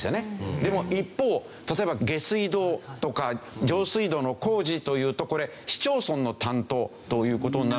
でも一方例えば下水道とか上水道の工事というとこれ市町村の担当という事になるので。